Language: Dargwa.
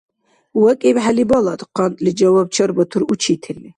— ВакӀибхӀели, балад, — къантӀли жаваб чарбатур учителли.